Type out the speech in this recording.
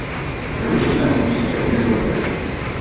Jeho účinky na hubnutí jsou však poměrně kontroverzní.